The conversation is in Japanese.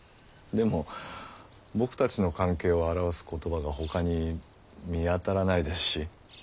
でも僕たちの関係を表す言葉がほかに見当たらないですし。